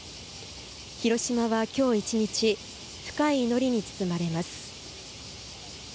広島は今日一日深い祈りに包まれます。